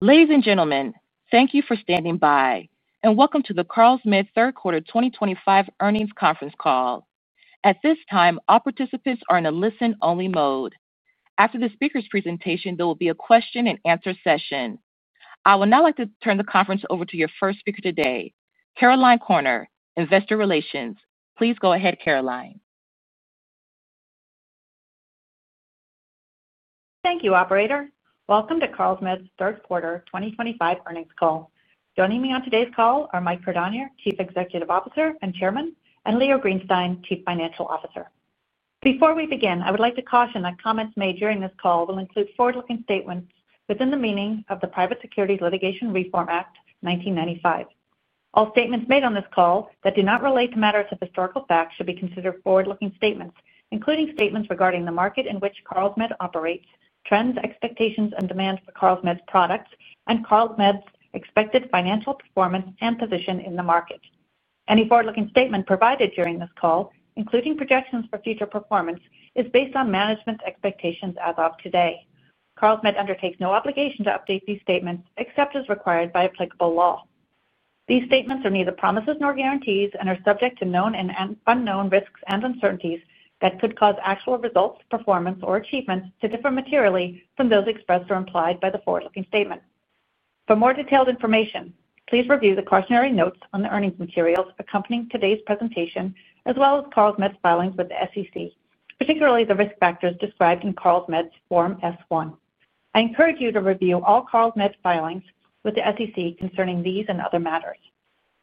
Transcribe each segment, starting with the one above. Ladies and gentlemen, thank you for standing by, and welcome to the Carlsmed Third Quarter 2025 Earnings Conference Call. At this time, all participants are in a listen-only mode. After the speaker's presentation, there will be a question-and-answer session. I would now like to turn the conference over to your first speaker today, Caroline Corner, Investor Relations. Please go ahead, Caroline. Thank you, operator. Welcome to Carlsmed's Third Quarter 2025 Earnings Call. Joining me on today's call are Mike Cordonnier, Chief Executive Officer and Chairman, and Leo Greenstein, Chief Financial Officer. Before we begin, I would like to caution that comments made during this call will include forward-looking statements within the meaning of the Private Securities Litigation Reform Act of 1995. All statements made on this call that do not relate to matters of historical fact should be considered forward-looking statements, including statements regarding the market in which Carlsmed operates, trends, expectations, and demand for Carlsmed's products, and Carlsmed's expected financial performance and position in the market. Any forward-looking statement provided during this call, including projections for future performance, is based on management's expectations as of today. Carlsmed undertakes no obligation to update these statements except as required by applicable law. These statements are neither promises nor guarantees and are subject to known and unknown risks and uncertainties that could cause actual results, performance, or achievements to differ materially from those expressed or implied by the forward-looking statement. For more detailed information, please review the cautionary notes on the earnings materials accompanying today's presentation, as well as Carlsmed's filings with the SEC, particularly the risk factors described in Carlsmed's Form S-1. I encourage you to review all Carlsmed's filings with the SEC concerning these and other matters.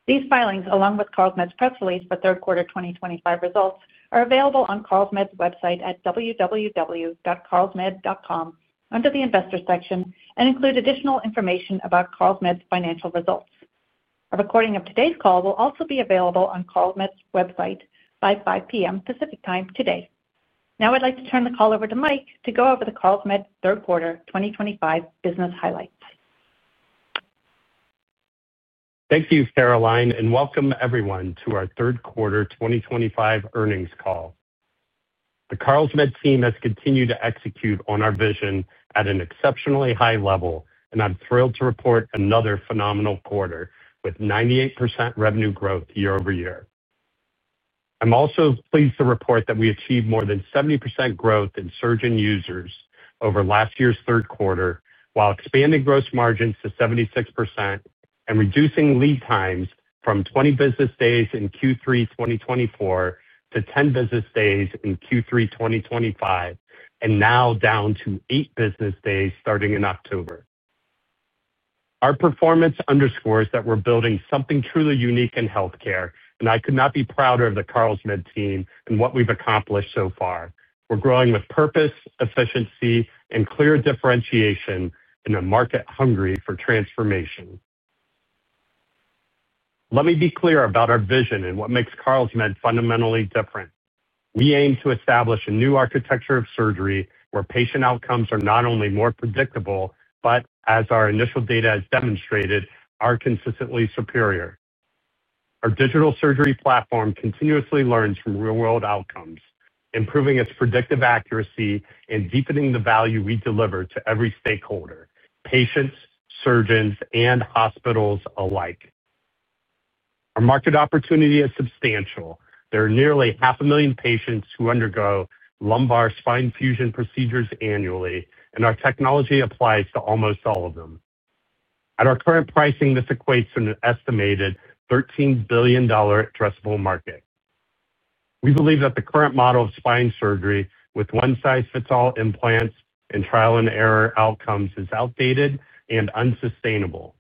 These filings, along with Carlsmed's press release for Third Quarter 2025 results, are available on Carlsmed's website at www.carlsmed.com under the Investor section and include additional information about Carlsmed's financial results. A recording of today's call will also be available on Carlsmed's website by 5:00 P.M. Pacific Time today. Now I'd like to turn the call over to Mike to go over the Carlsmed third quarter 2025 business highlights. Thank you, Caroline, and welcome everyone to our third quarter 2025 earnings call. The Carlsmed team has continued to execute on our vision at an exceptionally high level, and I'm thrilled to report another phenomenal quarter with 98% revenue growth year-over-year. I'm also pleased to report that we achieved more than 70% growth in surge in users over last year's third quarter, while expanding gross margins to 76% and reducing lead times from 20 business days in Q3 2024 to 10 business days in Q3 2025, and now down to 8 business days starting in October. Our performance underscores that we're building something truly unique in healthcare, and I could not be prouder of the Carlsmed team and what we've accomplished so far. We're growing with purpose, efficiency, and clear differentiation in a market hungry for transformation. Let me be clear about our vision and what makes Carlsmed fundamentally different. We aim to establish a new architecture of surgery where patient outcomes are not only more predictable, but, as our initial data has demonstrated, are consistently superior. Our digital surgery platform continuously learns from real-world outcomes, improving its predictive accuracy and deepening the value we deliver to every stakeholder: patients, surgeons, and hospitals alike. Our market opportunity is substantial. There are nearly 500,000 patients who undergo lumbar spine fusion procedures annually, and our technology applies to almost all of them. At our current pricing, this equates to an estimated $13 billion addressable market. We believe that the current model of spine surgery with one-size-fits-all implants and trial-and-error outcomes is outdated and unsustainable.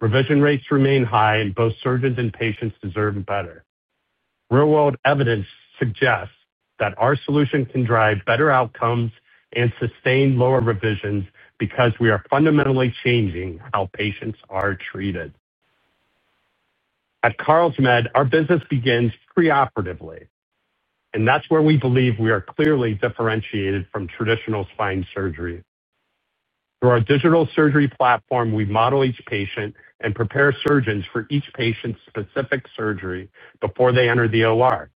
Revision rates remain high, and both surgeons and patients deserve better. Real-world evidence suggests that our solution can drive better outcomes and sustain lower revisions because we are fundamentally changing how patients are treated. At Carlsmed, our business begins preoperatively, and that's where we believe we are clearly differentiated from traditional spine surgery. Through our digital surgery platform, we model each patient and prepare surgeons for each patient's specific surgery before they enter the OR.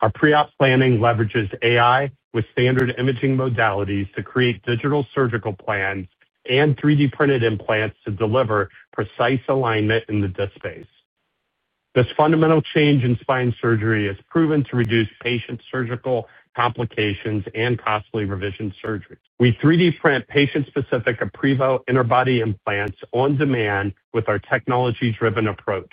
Our pre-op planning leverages AI with standard imaging modalities to create digital surgical plans and 3D-printed implants to deliver precise alignment in the disc space. This fundamental change in spine surgery has proven to reduce patient surgical complications and costly revision surgeries. We 3D-print patient-specific aprevo interbody implants on demand with our technology-driven approach.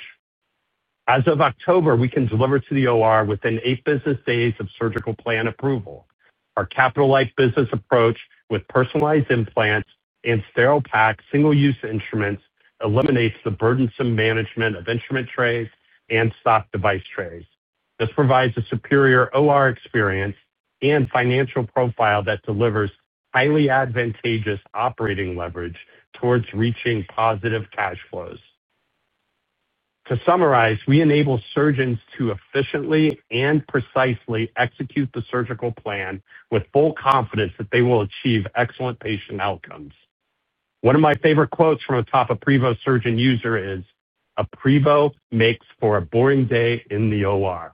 As of October, we can deliver to the OR within 8 business days of surgical plan approval. Our capital-light business approach with personalized implants and sterile pack single-use instruments eliminates the burdensome management of instrument trays and stock device trays. This provides a superior OR experience and financial profile that delivers highly advantageous operating leverage towards reaching positive cash flows. To summarize, we enable surgeons to efficiently and precisely execute the surgical plan with full confidence that they will achieve excellent patient outcomes. One of my favorite quotes from a top aprevo surgeon user is, "aprevo makes for a boring day in the OR."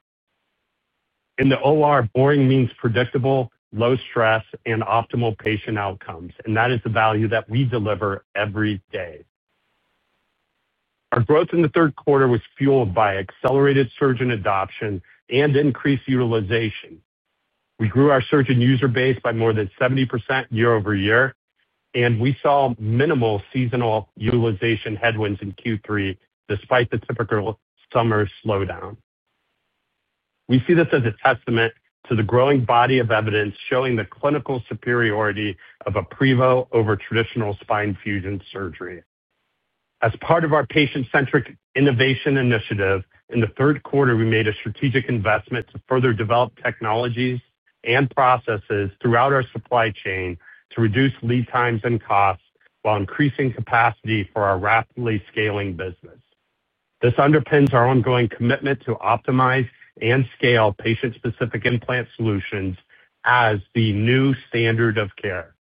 In the OR, boring means predictable, low stress, and optimal patient outcomes, and that is the value that we deliver every day. Our growth in the third quarter was fueled by accelerated surgeon adoption and increased utilization. We grew our surgeon user base by more than 70% year-over-year, and we saw minimal seasonal utilization headwinds in Q3 despite the typical summer slowdown. We see this as a testament to the growing body of evidence showing the clinical superiority of aprevo over traditional spine fusion surgery. As part of our patient-centric innovation initiative, in the third quarter, we made a strategic investment to further develop technologies and processes throughout our supply chain to reduce lead times and costs while increasing capacity for our rapidly scaling business. This underpins our ongoing commitment to optimize and scale patient-specific implant solutions as the new standard of care.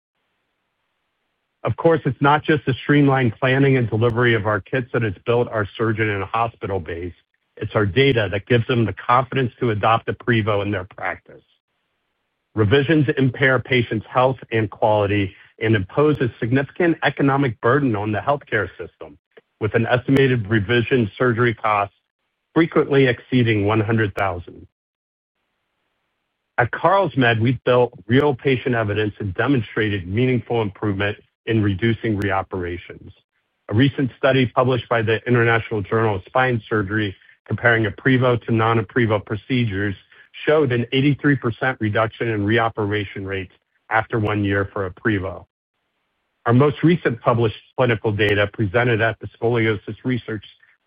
Of course, it's not just the streamlined planning and delivery of our kits that has built our surgeon and hospital base. It's our data that gives them the confidence to adopt aprevo in their practice. Revisions impair patients' health and quality and impose a significant economic burden on the healthcare system, with an estimated revision surgery cost frequently exceeding $100,000. At Carlsmed, we've built real patient evidence and demonstrated meaningful improvement in reducing reoperations. A recent study published by the International Journal of Spine Surgery comparing aprevo to non-aprevo procedures showed an 83% reduction in reoperation rates after one year for aprevo. Our most recent published clinical data presented at the Scoliosis Research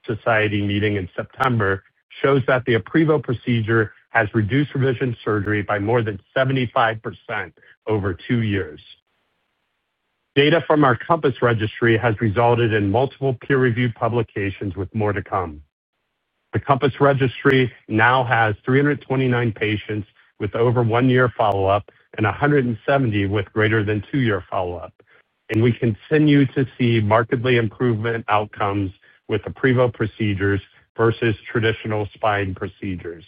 Society meeting in September shows that the aprevo procedure has reduced revision surgery by more than 75% over two years. Data from our COMPaSS Registry has resulted in multiple peer-reviewed publications, with more to come. The COMPaSS Registry now has 329 patients with over one-year follow-up and 170 with greater than two-year follow-up, and we continue to see markedly improved outcomes with aprevo procedures versus traditional spine procedures.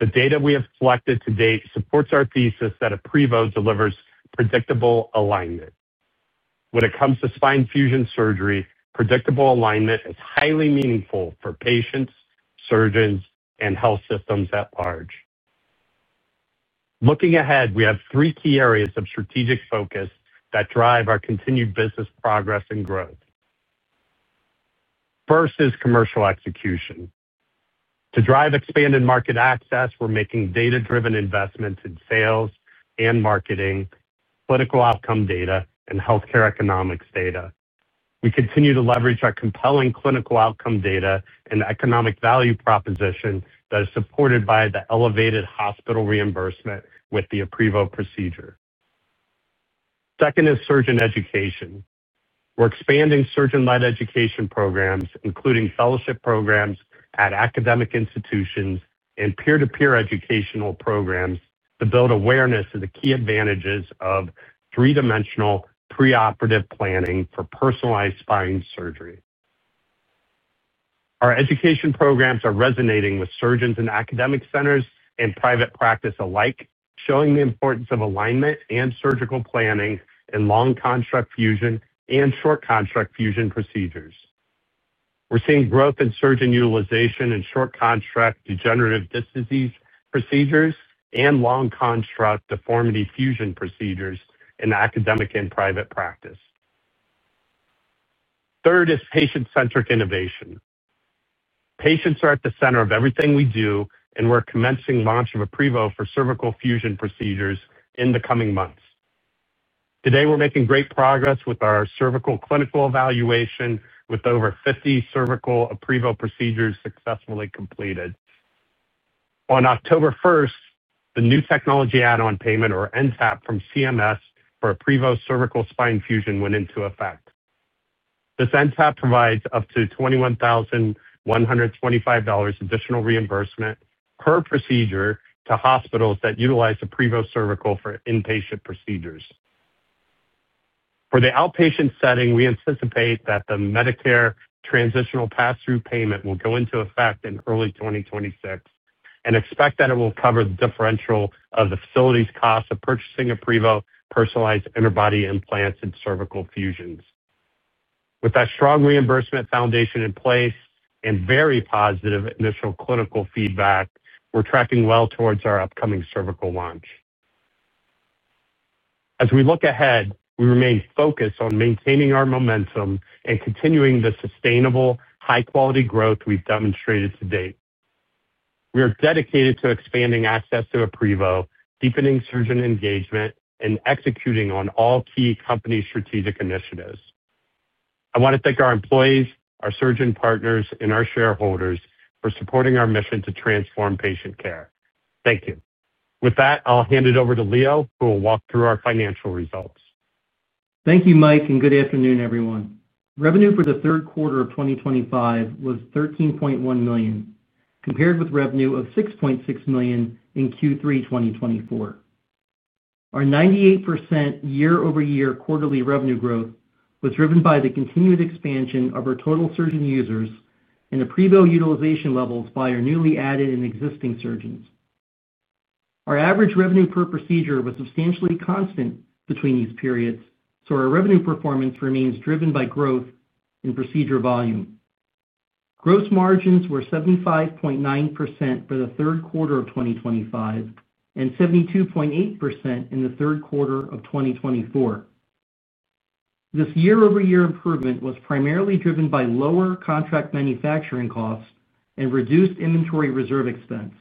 The data we have collected to date supports our thesis that aprevo delivers predictable alignment. When it comes to spine fusion surgery, predictable alignment is highly meaningful for patients, surgeons, and health systems at large. Looking ahead, we have three key areas of strategic focus that drive our continued business progress and growth. First is commercial execution. To drive expanded market access, we're making data-driven investments in sales and marketing, clinical outcome data, and healthcare economics data. We continue to leverage our compelling clinical outcome data and economic value proposition that is supported by the elevated hospital reimbursement with the aprevo procedure. Second is surgeon education. We're expanding surgeon-led education programs, including fellowship programs at academic institutions and peer-to-peer educational programs, to build awareness of the key advantages of three-dimensional preoperative planning for personalized spine surgery. Our education programs are resonating with surgeons in academic centers and private practice alike, showing the importance of alignment and surgical planning in long-construct fusion and short-construct fusion procedures. We're seeing growth in surgeon utilization in short-construct degenerative disc disease procedures and long-construct deformity fusion procedures in academic and private practice. Third is patient-centric innovation. Patients are at the center of everything we do, and we're commencing launch of aprevo for cervical fusion procedures in the coming months. Today, we're making great progress with our cervical clinical evaluation, with over 50 cervical aprevo procedures successfully completed. On October 1, the new technology add-on payment, or NTAP, from CMS for aprevo Cervical spine fusion went into effect. This NTAP provides up to $21,125 additional reimbursement per procedure to hospitals that utilize aprevo Cervical for inpatient procedures. For the outpatient setting, we anticipate that the Medicare transitional pass-through payment will go into effect in early 2026 and expect that it will cover the differential of the facility's cost of purchasing aprevo personalized interbody implants and cervical fusions. With that strong reimbursement foundation in place and very positive initial clinical feedback, we're tracking well towards our upcoming Cervical launch. As we look ahead, we remain focused on maintaining our momentum and continuing the sustainable, high-quality growth we've demonstrated to date. We are dedicated to expanding access to aprevo, deepening surgeon engagement, and executing on all key company strategic initiatives. I want to thank our employees, our surgeon partners, and our shareholders for supporting our mission to transform patient care. Thank you. With that, I'll hand it over to Leo, who will walk through our financial results. Thank you, Mike, and good afternoon, everyone. Revenue for the third quarter of 2025 was $13.1 million, compared with revenue of $6.6 million in Q3 2024. Our 98% year-over-year quarterly revenue growth was driven by the continued expansion of our total surgeon users and aprevo utilization levels by our newly added and existing surgeons. Our average revenue per procedure was substantially constant between these periods, so our revenue performance remains driven by growth in procedure volume. Gross margins were 75.9% for the third quarter of 2025 and 72.8% in the third quarter of 2024. This year-over-year improvement was primarily driven by lower contract manufacturing costs and reduced inventory reserve expense.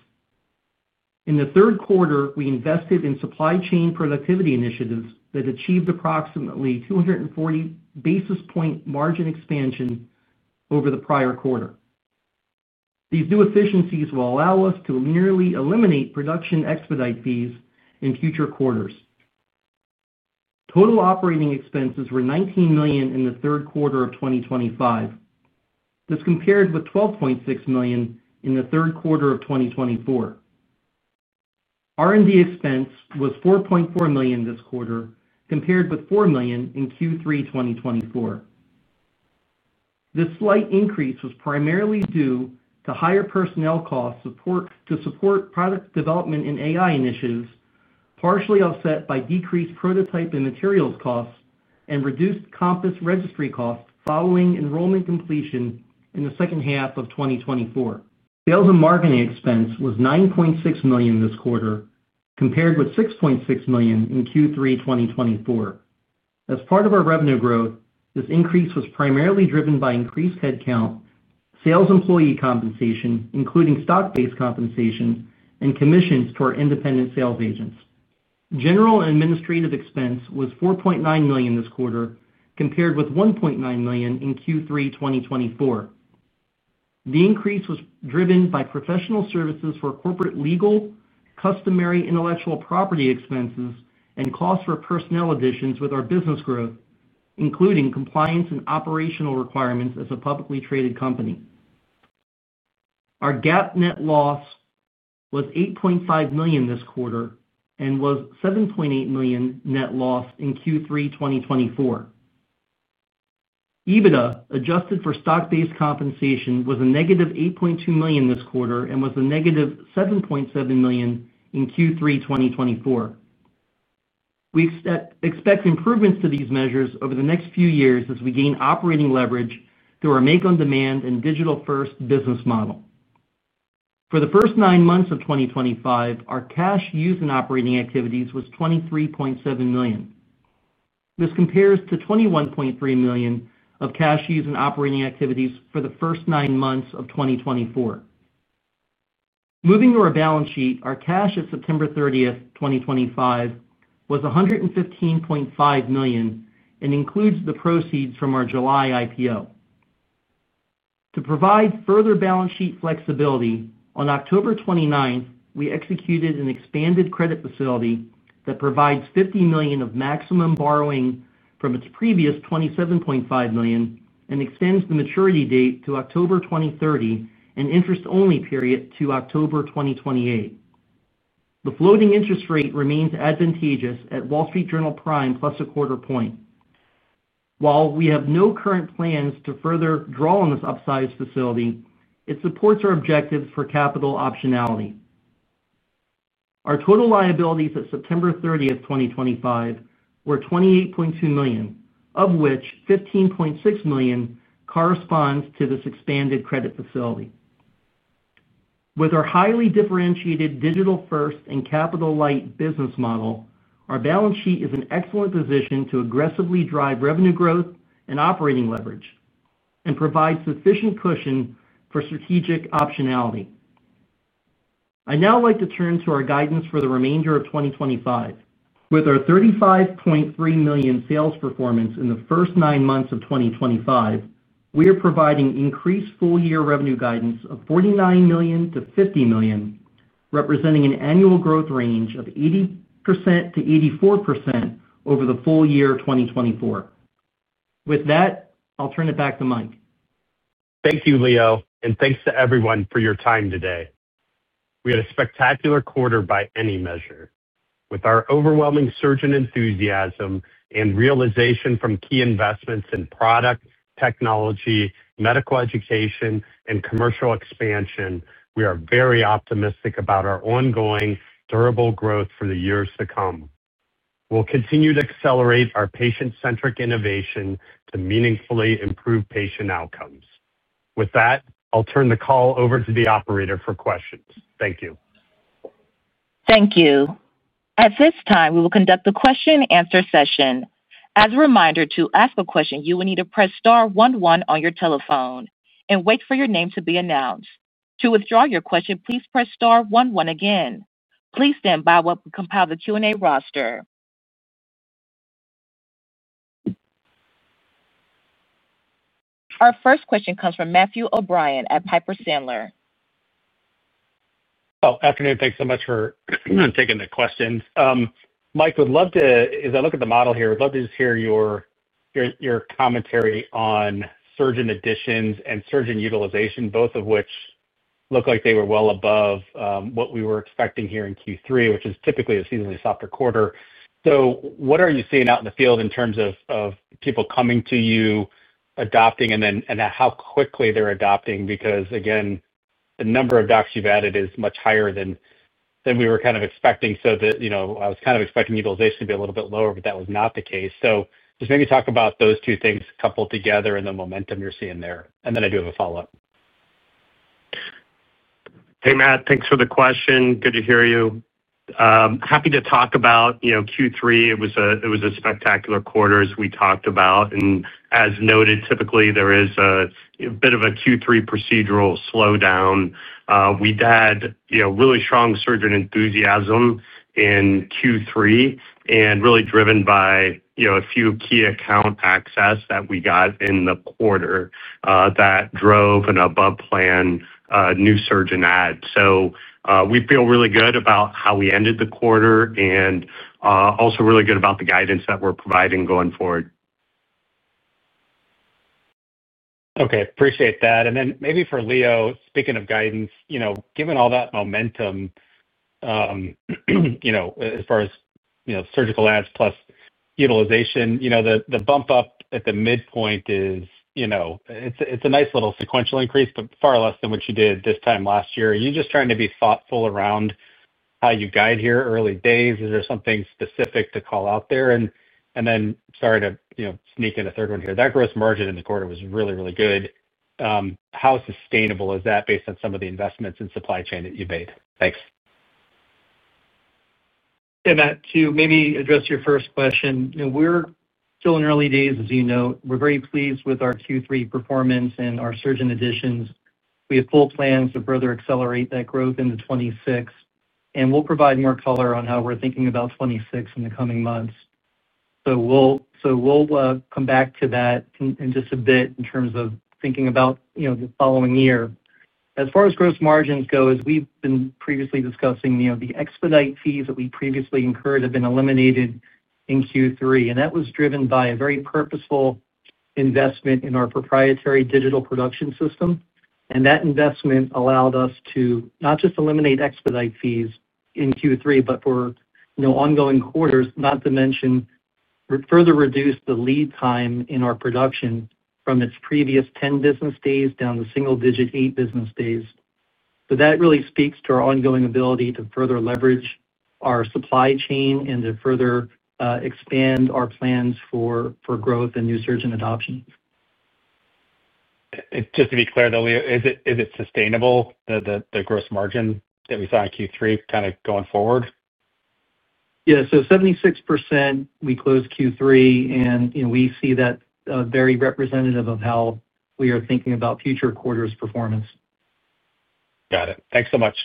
In the third quarter, we invested in supply chain productivity initiatives that achieved approximately 240 basis point margin expansion over the prior quarter. These new efficiencies will allow us to nearly eliminate production expedite fees in future quarters. Total operating expenses were $19 million in the third quarter of 2025. This compared with $12.6 million in the third quarter of 2024. R&D expense was $4.4 million this quarter, compared with $4 million in Q3 2024. This slight increase was primarily due to higher personnel costs to support product development and AI initiatives, partially offset by decreased prototype and materials costs and reduced COMPaSS Registry costs following enrollment completion in the second half of 2024. Sales and marketing expense was $9.6 million this quarter, compared with $6.6 million in Q3 2024. As part of our revenue growth, this increase was primarily driven by increased headcount, sales employee compensation, including stock-based compensation, and commissions to our independent sales agents. General and administrative expense was $4.9 million this quarter, compared with $1.9 million in Q3 2024. The increase was driven by professional services for corporate legal, customary intellectual property expenses, and costs for personnel additions with our business growth, including compliance and operational requirements as a publicly traded company. Our GAAP net loss was $8.5 million this quarter and was $7.8 million net loss in Q3 2024. EBITDA adjusted for stock-based compensation was a negative $8.2 million this quarter and was a negative $7.7 million in Q3 2024. We expect improvements to these measures over the next few years as we gain operating leverage through our make-on-demand and digital-first business model. For the first nine months of 2025, our cash used in operating activities was $23.7 million. This compares to $21.3 million of cash used in operating activities for the first nine months of 2024. Moving to our balance sheet, our cash at September 30, 2025, was $115.5 million and includes the proceeds from our July IPO. To provide further balance sheet flexibility, on October 29, we executed an expanded credit facility that provides $50 million of maximum borrowing from its previous $27.5 million and extends the maturity date to October 2030 and interest-only period to October 2028. The floating interest rate remains advantageous at Wall Street Journal Prime plus a quarter point. While we have no current plans to further draw on this upsized facility, it supports our objectives for capital optionality. Our total liabilities at September 30, 2025, were $28.2 million, of which $15.6 million corresponds to this expanded credit facility. With our highly differentiated digital-first and capital-light business model, our balance sheet is in excellent position to aggressively drive revenue growth and operating leverage and provide sufficient cushion for strategic optionality. I'd now like to turn to our guidance for the remainder of 2025. With our $35.3 million sales performance in the first nine months of 2025, we are providing increased full-year revenue guidance of $49 million-$50 million, representing an annual growth range of 80%-84% over the full year 2024. With that, I'll turn it back to Mike. Thank you, Leo, and thanks to everyone for your time today. We had a spectacular quarter by any measure. With our overwhelming surgeon enthusiasm and realization from key investments in product, technology, medical education, and commercial expansion, we are very optimistic about our ongoing durable growth for the years to come. We'll continue to accelerate our patient-centric innovation to meaningfully improve patient outcomes. With that, I'll turn the call over to the operator for questions. Thank you. Thank you. At this time, we will conduct the question-and-answer session. As a reminder, to ask a question, you will need to press star 11 on your telephone and wait for your name to be announced. To withdraw your question, please press star 11 again. Please stand by while we compile the Q&A roster. Our first question comes from Matthew O'Brien at Piper Sandler. Oh, afternoon. Thanks so much for taking the question. Mike, would love to, as I look at the model here, would love to just hear your commentary on surgeon additions and surgeon utilization, both of which look like they were well above what we were expecting here in Q3, which is typically a seasonally softer quarter. What are you seeing out in the field in terms of people coming to you, adopting, and how quickly they're adopting? Because, again, the number of docs you've added is much higher than we were kind of expecting. I was kind of expecting utilization to be a little bit lower, but that was not the case. Just maybe talk about those two things coupled together and the momentum you're seeing there. I do have a follow-up. Hey, Matt. Thanks for the question. Good to hear you. Happy to talk about Q3. It was a spectacular quarter, as we talked about. As noted, typically, there is a bit of a Q3 procedural slowdown. We had really strong surgeon enthusiasm in Q3 and really driven by a few key account access that we got in the quarter that drove an above-planned new surgeon add. We feel really good about how we ended the quarter and also really good about the guidance that we're providing going forward. Okay. Appreciate that. Maybe for Leo, speaking of guidance, given all that momentum. As far as surgical ads plus utilization, the bump up at the midpoint is a nice little sequential increase, but far less than what you did this time last year. Are you just trying to be thoughtful around how you guide here early days? Is there something specific to call out there? Sorry to sneak in a third one here. That gross margin in the quarter was really, really good. How sustainable is that based on some of the investments in supply chain that you've made? Thanks. Matt, to maybe address your first question, we're still in early days, as you know. We're very pleased with our Q3 performance and our surgeon additions. We have full plans to further accelerate that growth into 2026. We'll provide more color on how we're thinking about 2026 in the coming months. We'll come back to that in just a bit in terms of thinking about the following year. As far as gross margins go, as we've been previously discussing, the expedite fees that we previously incurred have been eliminated in Q3. That was driven by a very purposeful investment in our proprietary digital production system. That investment allowed us to not just eliminate expedite fees in Q3, but for ongoing quarters, not to mention further reduce the lead time in our production from its previous 10 business days down to single-digit 8 business days. That really speaks to our ongoing ability to further leverage our supply chain and to further expand our plans for growth and new surgeon adoptions. Just to be clear, though, Leo, is it sustainable, the gross margin that we saw in Q3 kind of going forward? Yeah. So 76%, we closed Q3, and we see that very representative of how we are thinking about future quarter's performance. Got it. Thanks so much.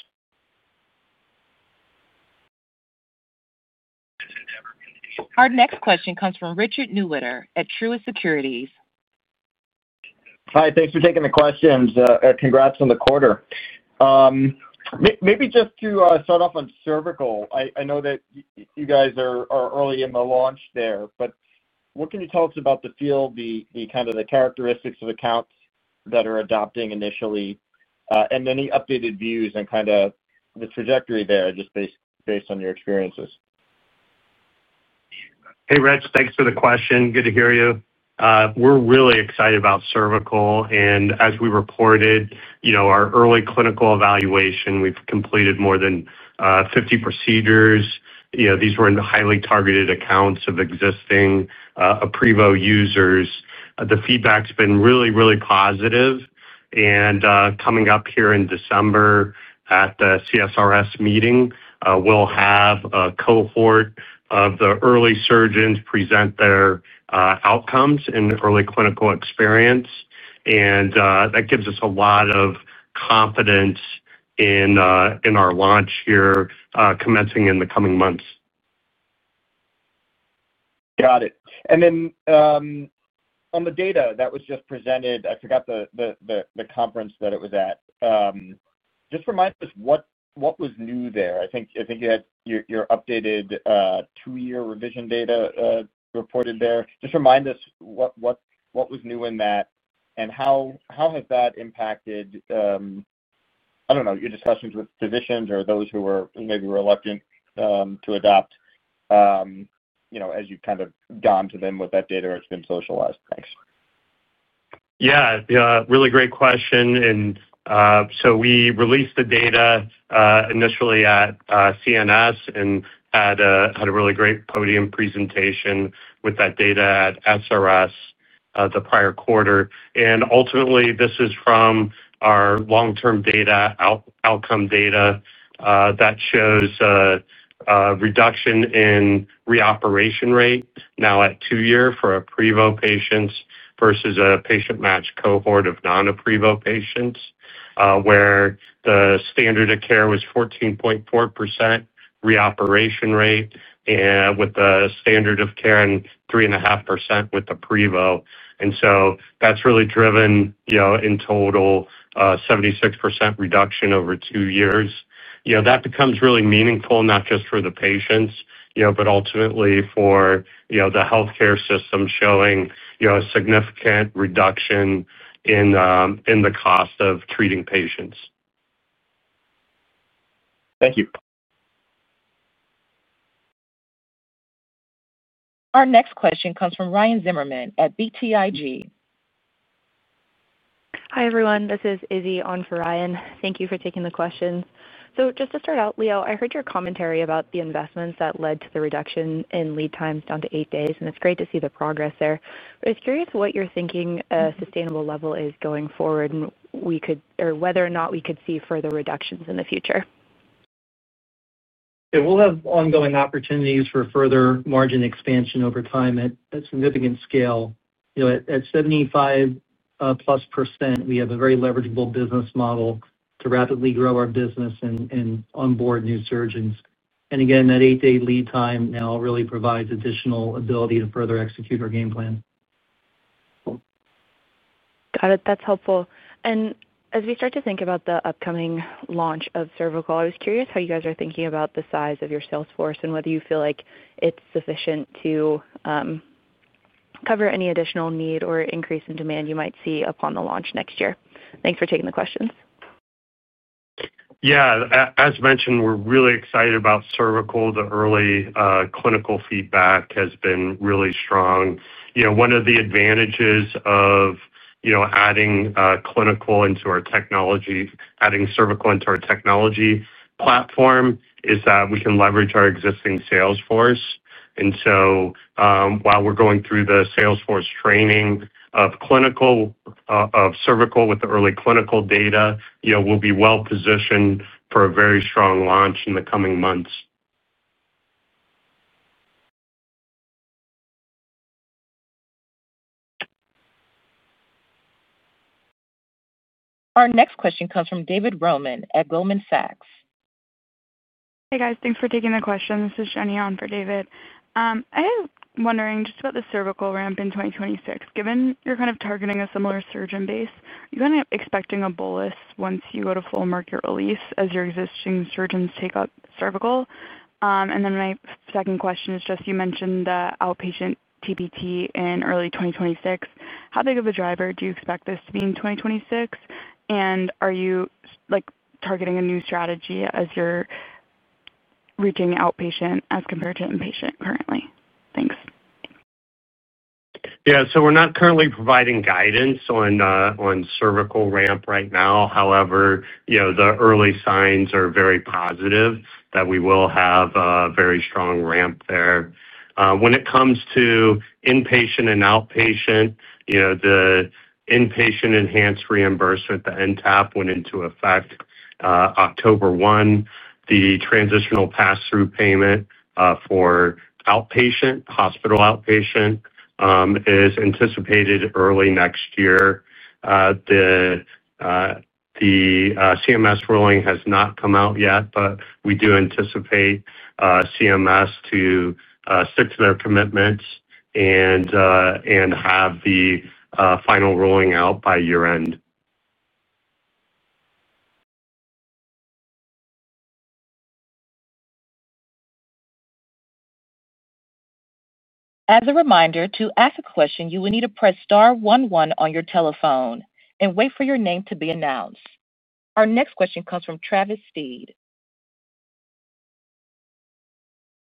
Our next question comes from Richard Newitter at Truist Securities. Hi. Thanks for taking the questions. Congrats on the quarter. Maybe just to start off on Cervical, I know that you guys are early in the launch there, but what can you tell us about the field, kind of the characteristics of accounts that are adopting initially, and any updated views and kind of the trajectory there just based on your experiences? Hey, Rich. Thanks for the question. Good to hear you. We're really excited about Cervical. And as we reported, our early clinical evaluation, we've completed more than 50 procedures. These were highly targeted accounts of existing aprevo users. The feedback's been really, really positive. And coming up here in December. At the CSRS meeting, we'll have a cohort of the early surgeons present their outcomes and early clinical experience. And that gives us a lot of confidence in our launch here commencing in the coming months. Got it. On the data that was just presented, I forgot the conference that it was at. Just remind us what was new there. I think you had your updated two-year revision data reported there. Just remind us what was new in that and how has that impacted, I don't know, your discussions with physicians or those who were maybe reluctant to adopt. As you've kind of gone to them with that data or it's been socialized. Thanks. Yeah. Really great question. We released the data initially at CNS and had a really great podium presentation with that data at SRS the prior quarter. Ultimately, this is from our long-term outcome data that shows a reduction in reoperation rate now at two-year for aprevo patients versus a patient match cohort of non-aprevo patients. The standard of care was 14.4% reoperation rate with the standard of care and 3.5% with aprevo. That has really driven in total a 76% reduction over two years. That becomes really meaningful, not just for the patients, but ultimately for the healthcare system showing a significant reduction in the cost of treating patients. Thank you. Our next question comes from Ryan Zimmerman at BTIG. Hi, everyone. This is Izzy on for Ryan. Thank you for taking the questions. Just to start out, Leo, I heard your commentary about the investments that led to the reduction in lead times down to eight days. It's great to see the progress there. I'm curious what you're thinking a sustainable level is going forward and whether or not we could see further reductions in the future. Yeah. We'll have ongoing opportunities for further margin expansion over time at significant scale. At 75%+, we have a very leverageable business model to rapidly grow our business and onboard new surgeons. Again, that eight-day lead time now really provides additional ability to further execute our game plan. Got it. That's helpful. As we start to think about the upcoming launch of Cervical, I was curious how you guys are thinking about the size of your sales force and whether you feel like it's sufficient to cover any additional need or increase in demand you might see upon the launch next year. Thanks for taking the questions. Yeah. As mentioned, we're really excited about Cervical. The early clinical feedback has been really strong. One of the advantages of adding clinical into our technology, adding Cervical into our technology platform, is that we can leverage our existing sales force. While we're going through the sales force training of clinical, of Cervical with the early clinical data, we'll be well positioned for a very strong launch in the coming months. Our next question comes from David Roman at Goldman Sachs. Hey, guys. Thanks for taking my question. This is Jenny on for David. I am wondering just about the Cervical ramp in 2026. Given you're kind of targeting a similar surgeon base, are you kind of expecting a bolus once you go to full market release as your existing surgeons take up Cervical? My second question is just you mentioned the outpatient TBT in early 2026. How big of a driver do you expect this to be in 2026? Are you targeting a new strategy as you're reaching outpatient as compared to inpatient currently? Thanks. Yeah. So we're not currently providing guidance on cervical ramp right now. However, the early signs are very positive that we will have a very strong ramp there. When it comes to inpatient and outpatient, the inpatient enhanced reimbursement, the NTAP, went into effect October 1. The transitional pass-through payment for hospital outpatient is anticipated early next year. The CMS ruling has not come out yet, but we do anticipate CMS to stick to their commitments and have the final ruling out by year-end. As a reminder, to ask a question, you will need to press star 11 on your telephone and wait for your name to be announced. Our next question comes from Travis Steed.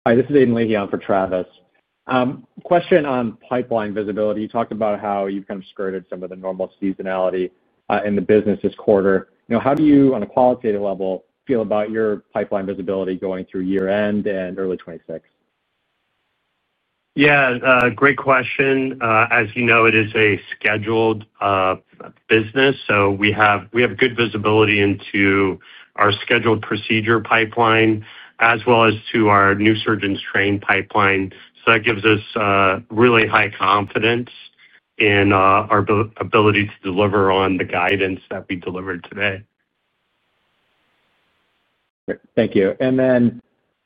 Hi. This is [Aiden Lee] on for Travis. Question on pipeline visibility. You talked about how you've kind of skirted some of the normal seasonality in the business this quarter. How do you, on a qualitative level, feel about your pipeline visibility going through year-end and early 2026? Yeah. Great question. As you know, it is a scheduled business. So we have good visibility into our scheduled procedure pipeline as well as to our new surgeons' train pipeline. So that gives us really high confidence in our ability to deliver on the guidance that we delivered today. Thank you.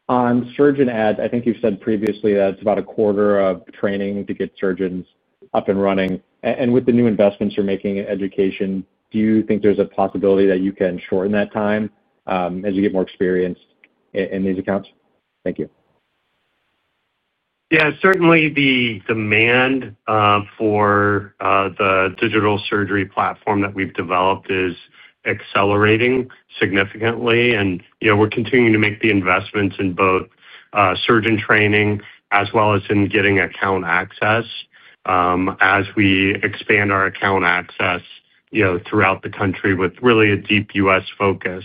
On surgeon ads, I think you've said previously that it's about a quarter of training to get surgeons up and running. With the new investments you're making in education, do you think there's a possibility that you can shorten that time as you get more experienced in these accounts? Thank you. Yeah. Certainly, the demand for the digital surgery platform that we've developed is accelerating significantly. We're continuing to make the investments in both surgeon training as well as in getting account access. As we expand our account access throughout the country with really a deep U.S. focus.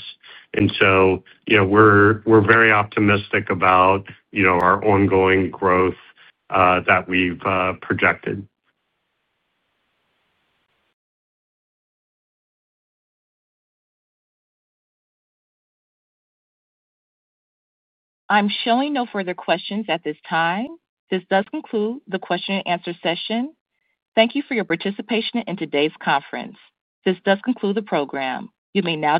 We're very optimistic about our ongoing growth that we've projected. I'm showing no further questions at this time. This does conclude the question-and-answer session. Thank you for your participation in today's conference. This does conclude the program. You may now.